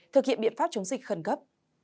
thực hiện biện pháp chống dịch khẩn cấp